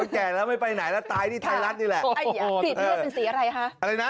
แก่แล้วไม่ไปไหนแล้วตายอยู่ทัยลัศน์นี่แหละ